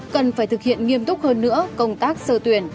cần phải thực hiện nghiêm túc hơn nữa công tác sơ tuyển